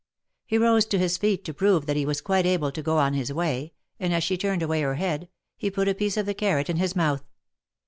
He rose to his feet to prove that he was quite able to go on his way, and as she turned away her head, he put a piece of the carrot in his mouth.